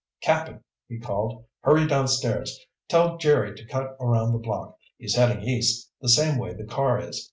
"Cap'n," he called. "Hurry downstairs! Tell Jerry to cut around the block. He's heading east, the same way the car is.